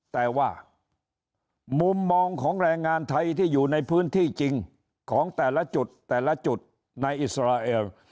แต่ว่ามุมมองของแรงงานไทยที่อยู่ในพื้นที่จริงของแต่ละจุดแต่ละจุดในอิสราเอล